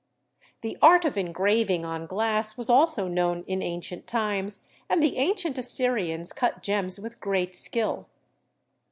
The art of engraving on glass was also known in ancient times and the ancient Assyrians cut gems with great skill.